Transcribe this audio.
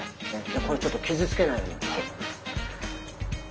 これちょっと傷つけないように。